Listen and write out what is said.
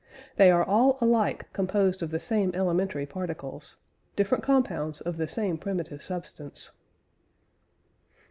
They are all alike composed of the same elementary particles different compounds of the same primitive substance.